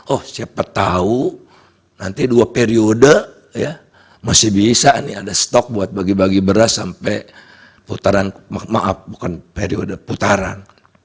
oh siapa tahu nanti dua periode ya masih bisa nih ada stok buat bagi bagi beras sampai putaran maaf bukan periode putaran